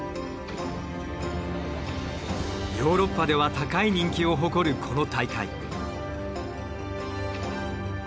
ヨーロッパでは高い人気を誇るこの大会。